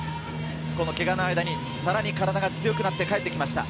けがの間に、さらに体が強くなって帰ってきました。